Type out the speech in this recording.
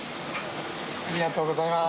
ありがとうございます。